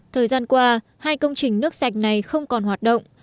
thời gian qua hai công trình nước sạch này không còn hoạt động